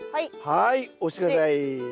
はい押して下さい。